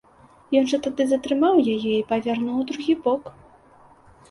Ён жа тады затрымаў яе і павярнуў у другі бок.